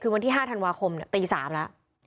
คือวันที่๕ธันวาคมตี๓แล้ว